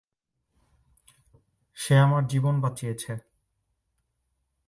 সে আমার জীবন বাঁচিয়েছে।